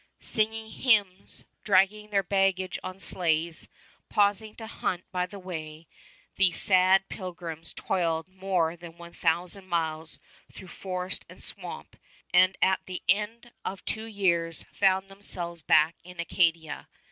Singing hymns, dragging their baggage on sleighs, pausing to hunt by the way, these sad pilgrims toiled more than one thousand miles through forest and swamp, and at the end of two years found themselves back in Acadia.